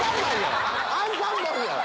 アンパンマンやん！